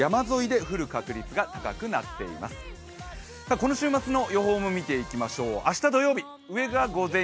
この週末の予報も見ていきましょう。